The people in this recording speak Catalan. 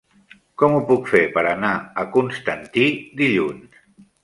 Com ho puc fer per anar a Constantí dilluns?